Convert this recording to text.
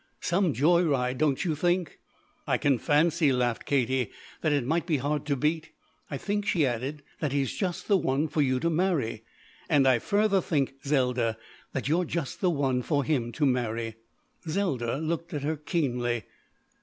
"Some joy ride, don't you think?" "I can fancy," laughed Katie, "that it might be hard to beat. I think," she added, "that he's just the one for you to marry. And I further think, Zelda, that you're just the one for him to marry." Zelda looked at her keenly.